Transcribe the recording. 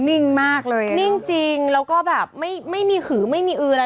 นิ่งจริงแล้วก็แบบไม่มีขือไม่มีอื้ออะไร